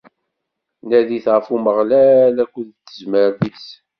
Nadit ɣef Umeɣlal akked tezmert-is!